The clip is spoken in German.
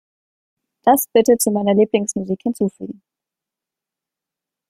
Das bitte zu meiner Lieblingsmusik hinzufügen.